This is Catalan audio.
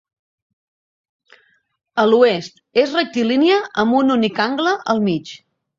A l'oest, és rectilínia amb un únic angle al mig.